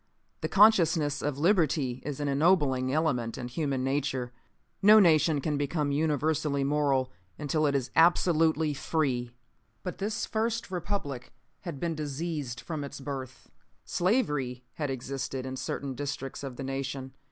The consciousness of liberty is an ennobling element in human nature. No nation can become universally moral until it is absolutely FREE. "But this first Republic had been diseased from its birth. Slavery had existed in certain districts of the nation.